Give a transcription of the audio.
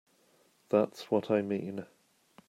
That's what I mean.